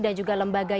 dan juga lembaga